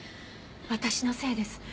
私のせいです。